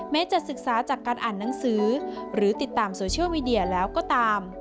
จะศึกษาจากการอ่านหนังสือหรือติดตามโซเชียลมีเดียแล้วก็ตาม